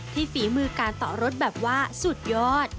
ที่ฝีมือการเตาะรถแบบว่าสุดยอด